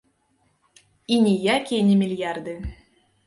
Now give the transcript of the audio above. І ніякія не мільярды.